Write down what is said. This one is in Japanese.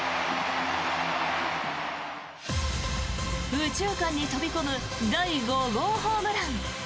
右中間に飛び込む第５号ホームラン。